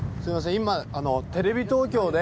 今テレビ東京で。